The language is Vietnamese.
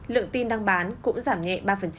lượng tin đang bán cũng giảm nhẹ ba